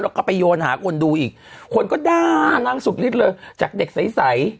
แล้วก็ไปโยนหาคนดูอีกคนก็ด้านั่งสุดฤทธิ์เลยจากเด็กใส